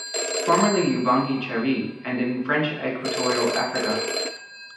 Formerly Ubangi-Chari and in French Equatorial Africa.